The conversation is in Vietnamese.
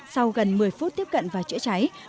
sau gần một mươi phút tiếp cận và chữa cháy